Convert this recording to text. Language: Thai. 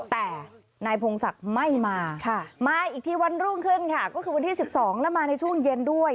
แต่นายพงศักดิ์ไม่มามาอีกทีวันรุ่งขึ้นค่ะก็คือวันที่๑๒แล้วมาในช่วงเย็นด้วย